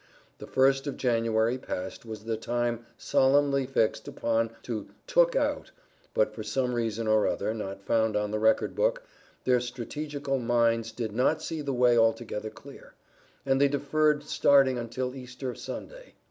The first of January, past, was the time "solemnly" fixed upon to "took out," but for some reason or other (not found on the record book), their strategical minds did not see the way altogether clear, and they deferred starting until Easter Sunday.